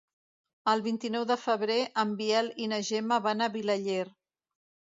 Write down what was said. El vint-i-nou de febrer en Biel i na Gemma van a Vilaller.